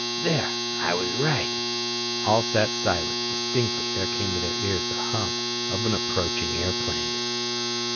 There. I was right." All sat silent, and distinctly there came to their ears the hum of an approaching airplane.